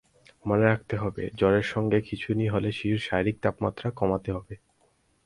মনে রাখতে হবে, জ্বরের সঙ্গে খিঁচুনি হলে শিশুর শরীরের তাপমাত্রা কমাতে হবে।